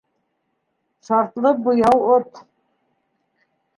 Шартлы буяу отт.